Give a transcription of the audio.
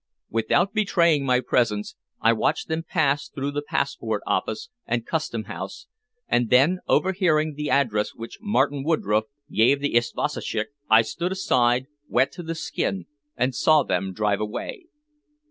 Without betraying my presence I watched them pass through the passport office and Custom House, and then, overhearing the address which Martin Woodroffe gave the isvoshtchik, I stood aside, wet to the skin, and saw them drive away.